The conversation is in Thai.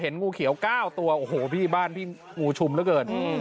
เห็นงูเขียวเก้าตัวโอ้โหพี่บ้านพี่งูชุมแล้วเกินอืม